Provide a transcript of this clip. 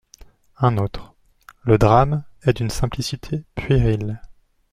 Un autre :« Le drame est d’une simplicité puérile.